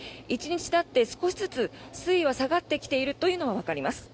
１日たって少しずつ水位は下がってきているというのがわかります。